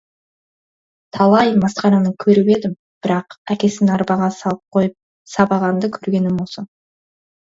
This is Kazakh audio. Талай масқараны көріп едім, бірақ әкесін арбаға байлап қойып сабағанды көргенім осы.